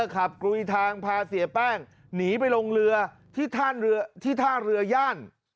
ขับกุยทางพาเสียแป้งหนีไปลงเรือที่ท่านเรือที่ท่าเรือย่าน